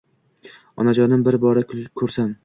Onajonim bir-bora kursam